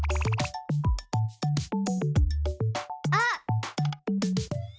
あっ。